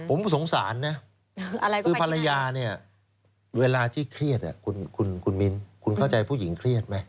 ผมสงสารนะคือภรรยาเนี่ยเวลาที่เครียดคุณมิ้นคุณเข้าใจผู้หญิงเครียดไหม